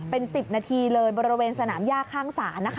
เป็น๑๐นาทีเลยบริเวณสนามย่าข้างศาลนะคะ